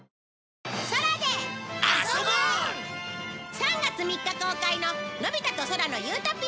３月３日公開の『のび太と空の理想郷』。